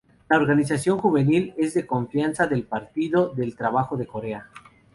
La organización juvenil es de confianza del Partido del Trabajo de Corea.